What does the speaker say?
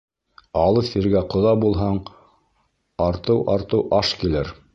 Алыҫ ергә ҡоҙа булһаң, артыу-артыу аш килер